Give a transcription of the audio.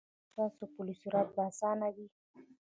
ایا ستاسو پل صراط به اسانه وي؟